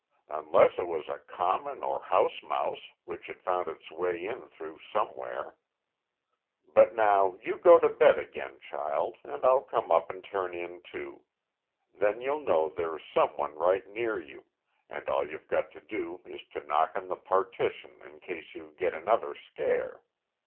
"Unless it was a common or house mouse which had found its way in through somewhere. But now you go to bed again, child, and I'll come up and turn in too. Then you'll know there's some one right near you, and all you've got to do is to knock on the partition in case you get another scare.